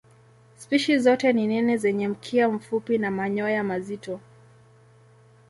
Spishi zote ni nene zenye mkia mfupi na manyoya mazito.